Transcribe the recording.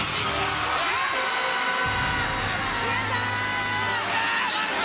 決めた。